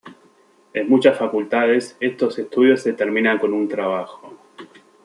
En muchas facultades, estos estudios se terminan con un trabajo.